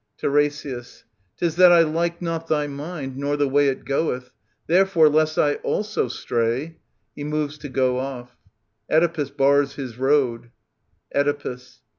TiRESIAS. 'Tis that I like not thy mind, nor the way It goeth. Therefore, lest I also stray ... [He moves to go of. Oedipus bars his road, Oedipus.